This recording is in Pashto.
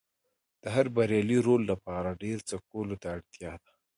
د هر بریالي رول لپاره ډېر څه کولو ته اړتیا ده.